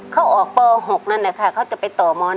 เขาออกป๖นั่นแหละค่ะเขาจะไปต่อม๑